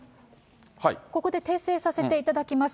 ここで訂正させていただきます。